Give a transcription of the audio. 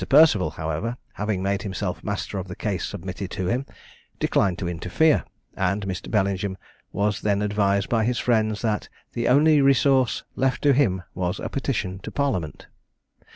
Perceval, however, having made himself master of the case submitted to him, declined to interfere, and Mr. Bellingham was then advised by his friends that the only resource left to him was a petition to parliament.